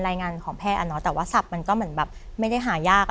รายงานของแพทย์อ่ะเนอะแต่ว่าทรัพย์มันก็เหมือนแบบไม่ได้หายากอะไร